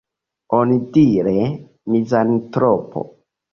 Onidire, mizantropo.